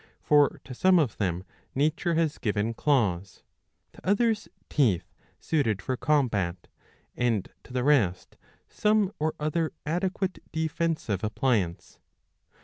For to some of them nature has given claws, to others teeth suited for combat, and to the rest some or other adequate defensive appliance.